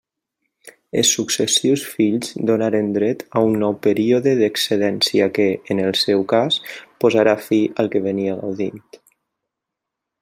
Els successius fills donaran dret a un nou període d'excedència que, en el seu cas posarà fi al que venia gaudint.